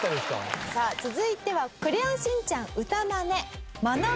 さあ続いてはクレヨンしんちゃん歌マネまなまる。